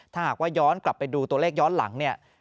ถ้าหากว่าย้อนกลับไปดูตัวเลขย้อนหลังเนี่ย